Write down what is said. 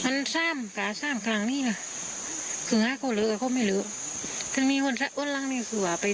คือสารของท่านสร้างแหวะอาคมรุมเกี่ยวทีนี้ต่อไป